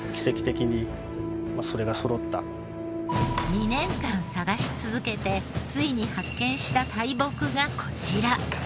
２年間探し続けてついに発見した大木がこちら。